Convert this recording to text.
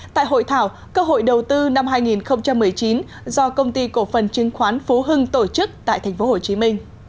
tại hội thảo cơ hội đầu tư năm hai nghìn một mươi chín do công ty cổ phần chứng khoán phú hưng tổ chức tại tp hcm